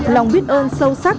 lòng biết ơn sâu sắc